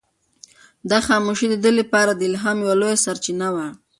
دا خاموشي د ده لپاره د الهام یوه لویه سرچینه وه.